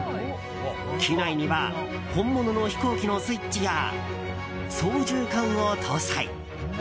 機内には本物の飛行機のスイッチや操縦かんを搭載。